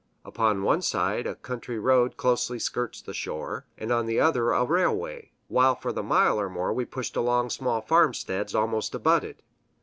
Upon one side a country road closely skirts the shore, and on the other a railway, while for the mile or more we pushed along small farmsteads almost abutted.